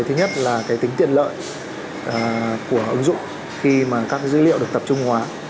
thứ nhất là tính tiện lợi của ứng dụng khi mà các dữ liệu được tập trung hóa